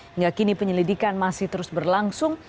hingga kini penyelidikan masih terus berlangsung